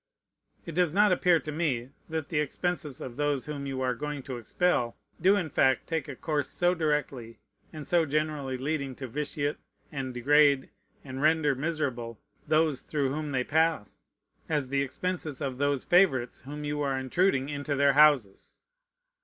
It does not appear to me that the expenses of those whom you are going to expel do in fact take a course so directly and so generally leading to vitiate and degrade and render miserable those through whom they pass as the expenses of those favorites whom you are intruding into their houses.